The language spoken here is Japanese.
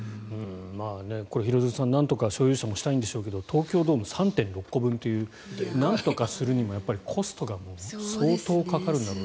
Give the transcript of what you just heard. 廣津留さん、なんとか所有者もしたいんでしょうが東京ドーム３．６個分というなんとかするにもコストが相当かかるんだろうなと。